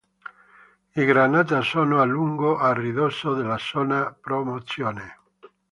I granata sono a lungo a ridosso della zona promozione.